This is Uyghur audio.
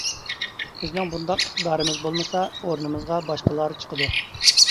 بىزنىڭ بۇنداق ئىقتىدارىمىز بولمىسا، ئورنىمىزغا باشقىلار چىقىدۇ.